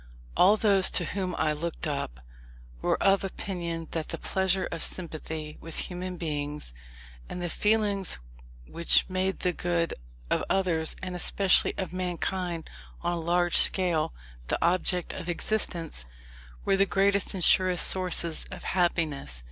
All those to whom I looked up, were of opinion that the pleasure of sympathy with human beings, and the feelings which made the good of others, and especially of mankind on a large scale, the object of existence, were the greatest and surest sources of happiness.